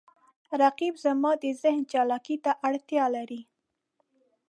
رقیب زما د ذهن چالاکي ته اړتیا لري